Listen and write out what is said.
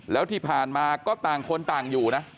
แล้วที่ผ่านมาก็ต่างคนต่างอยู่นะ